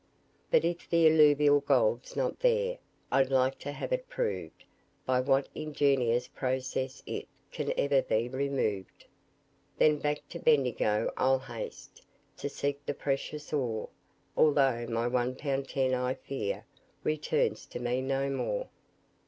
But if the alluvial gold's not there I'd like to have it proved By what ingenious process it Can ever be removed? Then back to Bendigo I'll haste, To seek the precious ore; Although my one pound ten I fear Returns to me no more.